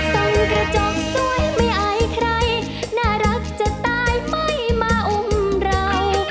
ต้องกระจงสวยไม่อายใครน่ารักจะตายไม่มาอุ้มเรา